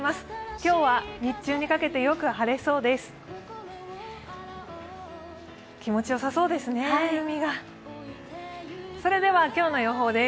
今日は日中にかけて、よく晴れそうです。